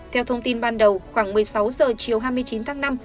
theo thông tin ban đầu khoảng một mươi sáu h chiều hai mươi chín tháng năm